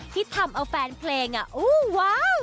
ที่ทำเอาแฟนเพลงอ่ะอู้ว้าว